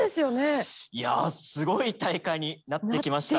いやすごい大会になってきました。